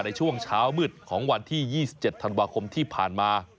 ในช่วงเช้ามืดของวันที่๒๗ธันวาคมที่ผ่านมา